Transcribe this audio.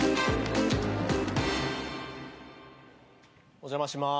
お邪魔します。